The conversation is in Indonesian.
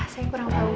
saya kurang tahu